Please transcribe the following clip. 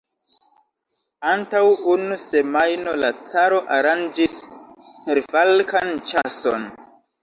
Antaŭ unu semajno la caro aranĝis perfalkan ĉason!